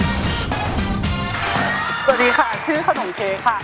สวัสดีค่ะชื่อขนมเค้กค่ะ